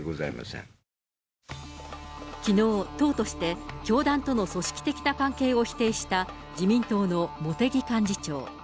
きのう、党として教団との組織的な関係を否定した自民党の茂木幹事長。